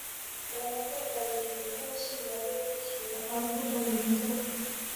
白描画法以墨线描绘物体而不着颜色。